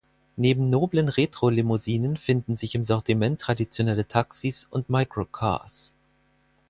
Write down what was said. Neben noblen Retro-Limousinen finden sich im Sortiment traditionelle Taxis und Micro Cars.